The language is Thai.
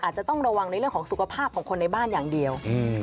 อาจจะต้องระวังในเรื่องของสุขภาพของคนในบ้านอย่างเดียว